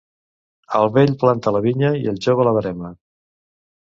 El vell planta la vinya i el jove la verema.